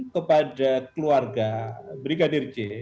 kepada keluarga brigadir jawa